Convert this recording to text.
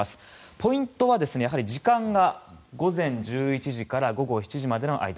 ポイントは、やはり時間が午前１１時から午後７時までの間。